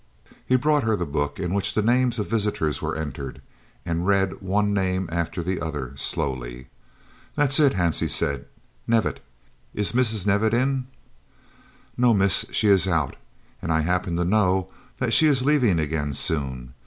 He brought her the book in which the names of visitors were entered, and read one name after the other slowly. "That's it," Hansie said. "Knevitt! Is Mrs. Knevitt in?" "No, miss, she is out, and I happen to know that she is leaving again soon.